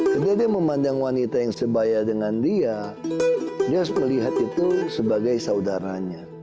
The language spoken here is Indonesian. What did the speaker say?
ketika dia memandang wanita yang sebaya dengan dia dia harus melihat itu sebagai saudaranya